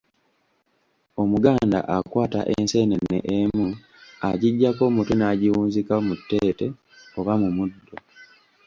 Omuganda akwata enseenene emu agiggyako omutwe n'agiwunzika mu tteete oba mu muddo.